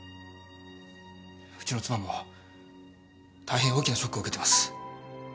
うちの妻も大変大きなショックを受けてます。